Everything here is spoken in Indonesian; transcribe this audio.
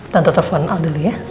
tante telfon al dulu ya